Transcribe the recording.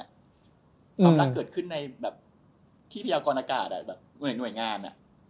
ความรักเกิดขึ้นในแบบที่พยากรอากาศแบบหน่วยงาน